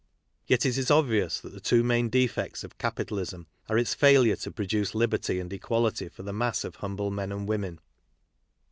Yet it is obvious that the two main defects of capitalism are its failure to produce liberty and equality for the mass of humble men and women.